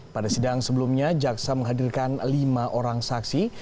pada sidang sebelumnya jaksa menghadirkan lima orang saksi